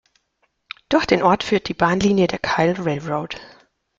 Durch den Ort führt die Bahnlinie der Kyle Railroad.